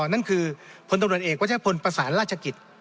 นั่นคือพลตำรวจเอกวัชพลประสานราชกิจ